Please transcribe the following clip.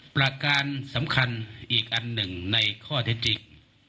ประการสำคัญอีกอันหนึ่งในข้อเท็จจริง